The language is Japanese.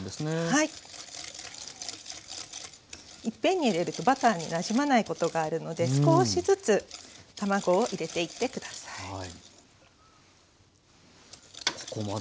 いっぺんに入れるとバターになじまないことがあるので少しずつ卵を入れていって下さい。